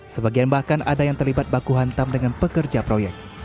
sebagian bahkan ada yang terlibat baku hantam dengan pekerja proyek